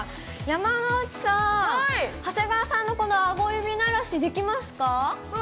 山之内さん、長谷川さんのこのあご指鳴らしできますか？